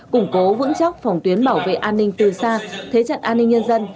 củng cố vững chắc phòng tuyến bảo vệ an ninh từ xa thế trận an ninh nhân dân